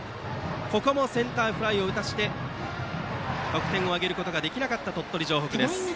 ここもセンターフライを打たせて得点を挙げることができなかった鳥取城北。